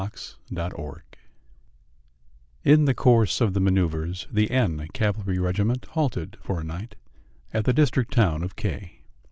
THE HUSBAND IN the course of the manoeuvres the N cavalry regiment halted for a night at the district town of K